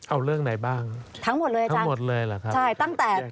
เอาเรื่องไหนบ้างทั้งหมดเลยเหรอครับตั้งแต่ทั้งหมดเลยเหรอครับ